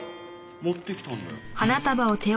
持ってきたんだよ。